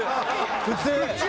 普通！